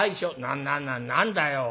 「な何だよ。